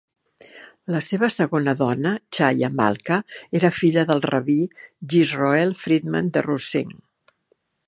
La seva segona dona, Chaya Malka, era filla del rabí Yisroel Friedman de Ruzhin.